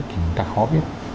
thì chúng ta khó viết